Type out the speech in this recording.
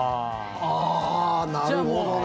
ああ、なるほどね。